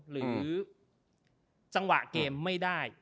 หรือจังหวะเกมไม่ได้